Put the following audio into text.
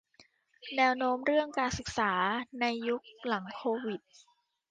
แนวโน้มเรื่องการศึกษาในยุคหลังโควิด